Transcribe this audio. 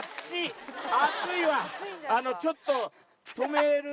ちょっと。